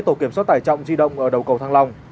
tổ kiểm soát tải trọng di động ở đầu cầu thăng long